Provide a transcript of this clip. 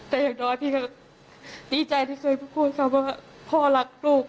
ที่ไม่เคยพูดคำว่าพ่อรักลูก